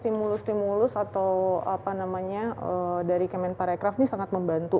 stimulus stimulus atau apa namanya dari kemenparekraf ini sangat membantu